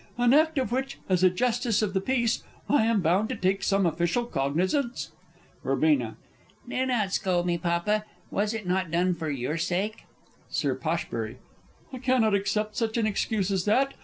An act of which, as a Justice of the Peace, I am bound to take some official cognizance! Verb. Do not scold me, Papa. Was it not done for your sake? Sir P. I cannot accept such an excuse as that.